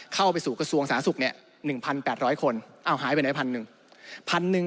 เข้าไปสู่กระทรวงสหสุก๑๘๐๐คนเอ้าหายไปไหน๑๐๐๐